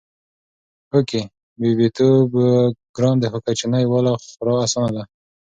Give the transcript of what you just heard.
هو کې! بيبيتوب ګران دی خو کچنۍ واله خورا اسانه ده